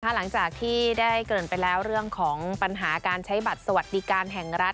หลังจากที่ได้เกิดไปแล้วเรื่องของปัญหาการใช้บัตรสวัสดิการแห่งรัฐ